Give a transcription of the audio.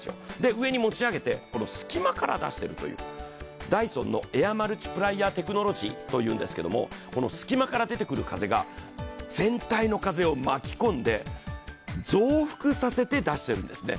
上に持ち上げて、隙間から出しているという、ダイソンのエアマルチプライアーテクノロジーというんですけれど隙間から出てくる風が全体の風を巻き込んで増幅させて出しているんですね。